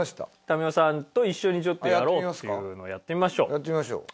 民生さんと一緒にちょっとやろうっていうのやってみましょう。